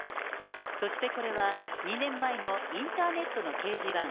そしてこれは２年前のインターネットの掲示板。